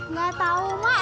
nggak tahu mak